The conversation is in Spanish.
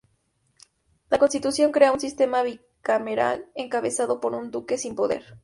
La constitución crea un sistema bicameral encabezado por un duque sin poder.